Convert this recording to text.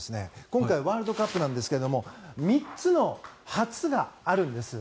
今回、ワールドカップなんですが３つの初があるんです。